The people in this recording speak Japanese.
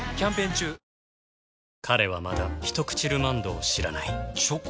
彼はまだ「ひとくちルマンド」を知らないチョコ？